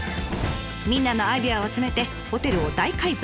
みんなのアイデアを集めてホテルを大改造。